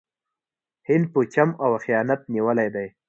هند په چم او خیانت نیولی دی.